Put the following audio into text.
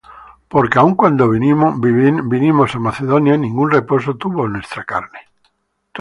Porque aun cuando vinimos á Macedonia, ningún reposo tuvo nuestra carne;